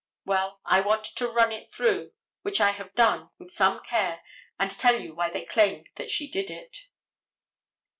Well, I want to run it through, which I have done with some care, and tell you why they claim that she did it.